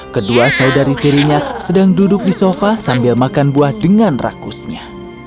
kedua saudari tirinya sedang duduk di sofa sambil makan buah dengan rakusnya